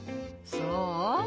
そう？